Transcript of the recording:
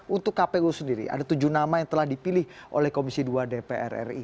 untuk kpu sendiri ada tujuh nama yang telah dipilih oleh komisi dua dpr ri